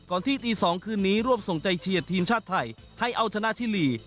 ที่ตี๒คืนนี้รวบส่งใจเชียร์ทีมชาติไทยให้เอาชนะชิลี